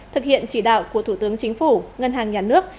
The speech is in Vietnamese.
thực hiện chỉ đạo của thủ tướng chính phủ ngân hàng nhà nước